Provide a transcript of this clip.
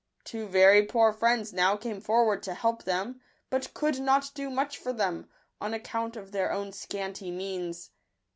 Two very poor friends now came forward to help them, but could not do much for them, on account of their own scanty means.